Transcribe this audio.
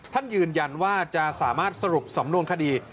ท่านยืนยันว่าจะสามารถสรุปสำนวนคดี